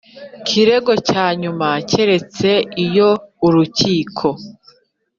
Kirego cya nyuma keretse iyo urukiko